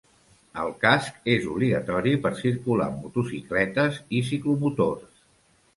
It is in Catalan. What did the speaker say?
El casc és obligatori per circular amb motocicletes i ciclomotors.